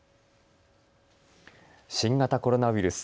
新型コロナウイルス。